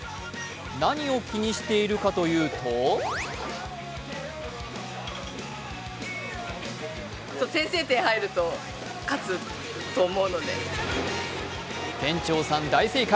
何を気にしているかというと店長さん大正解。